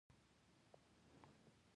ورزشکاران تل ځوان معلومیږي.